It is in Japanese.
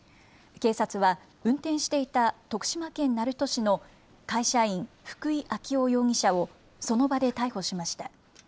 警察は運転していた徳島県鳴門市の会社員、福井暁生容疑者を、その場で逮捕しました。